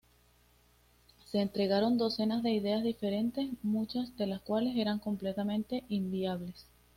Se entregaron docenas de ideas diferentes, muchas de las cuales eran completamente inviables.